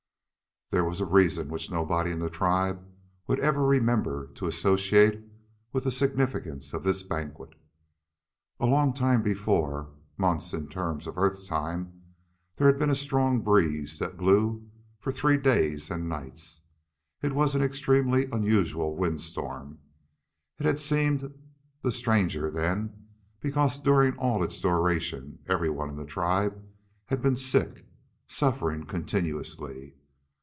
There was a reason which nobody in the tribe would ever remember to associate with the significance of this banquet. A long time before months in terms of Earth time there had been a strong breeze that blew for three days and nights. It was an extremely unusual windstorm. It had seemed the stranger, then, because during all its duration everyone in the tribe had been sick, suffering continuously.